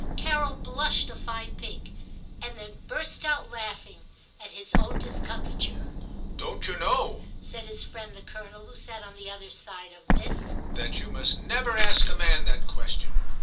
Carol blushed a fine pink, and then burst out laughing at his own discomfiture. * Don't you know,* said his friend the Colonel, who sat on the other side of Miss, * that you must never ask a man that ques tion